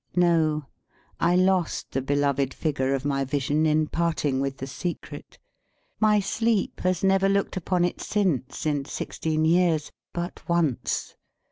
No. I lost the beloved figure of my vision in parting with the secret. My sleep has never looked upon it since, in sixteen years, but once.